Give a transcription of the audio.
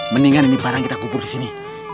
meninggan di barang kita kubur sini